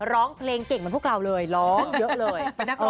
ร้องเพลงเก่งเหมือนพวกเราเลยร้องเยอะเลย